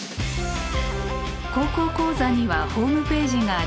「高校講座」にはホームページがあります。